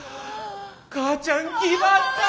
母ちゃんぎばった！